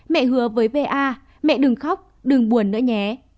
mẹ hứa với va mẹ đừng khóc đừng buồn nữa nhé